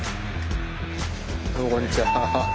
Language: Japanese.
どうもこんにちは。